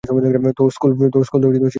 তো, স্কুল তো শীঘ্রই খুলবে, উত্তেজিত রয়েছো?